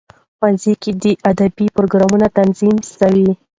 ښوونځیو کې دي ادبي پروګرامونه تنظیم سي.